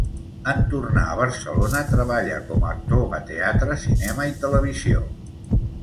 En tornar a Barcelona treballa com a actor a teatre, cinema i televisió.